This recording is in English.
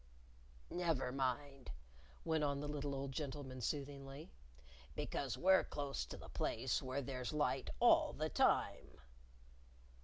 "Never mind," went on the little old gentleman, soothingly. "Because we're close to the place where there's light all the time."